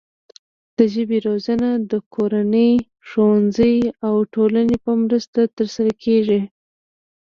د ژبې روزنه د کورنۍ، ښوونځي او ټولنې په مرسته ترسره کیږي.